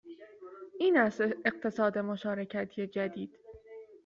این است اقتصاد مشارکتی جدید